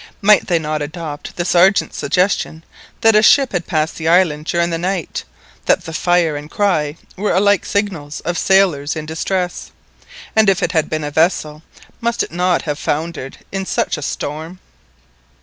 Might they not adopt the Sergeant's suggestion, that a ship had passed the island during the night, that the fire and cry were alike signals of sailors in distress? And if it had been a vessel, must it not have foundered in such a storm?